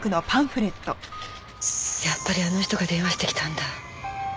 やっぱりあの人が電話してきたんだ。